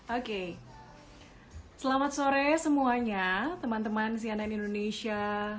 oke selamat sore semuanya teman teman cnn indonesia